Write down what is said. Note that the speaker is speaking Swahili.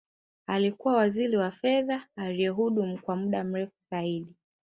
Alikuwa Waziri wa fedha aliyehudumu kwa muda mrefu zaidi